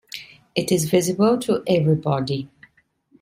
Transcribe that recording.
It is visible to everybody.